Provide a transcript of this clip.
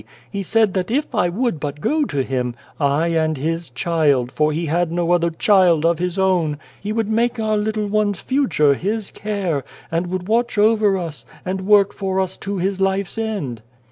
He said that if I would but go to him I and his child, for he had no other child of his own he would make our little one's future his care, and would watch over us, and work for us to his life's end."